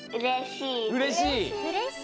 うれしい！